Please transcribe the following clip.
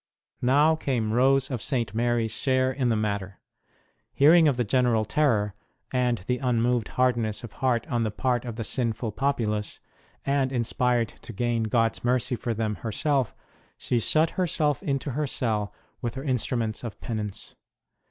Now came Rose of St. Mary s share in the 9 130 ST. ROSE OF LIMA matter. Hearing of the general terror, and the unmoved hardness of heart on the part of the sinful populace, and inspired to gain God s mercy for them herself, she shut herself into her cell with her instruments of penance.